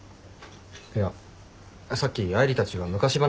いやさっき愛梨たちが昔話してただろ。